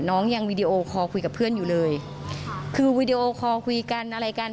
น้องยังวีดีโอคอลคุยกับเพื่อนอยู่เลยคือวีดีโอคอลคุยกันอะไรกัน